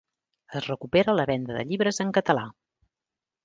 Es recupera la venda de llibres en català